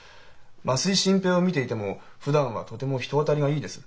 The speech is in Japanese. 増井新平を見ていてもふだんはとても人当たりがいいです。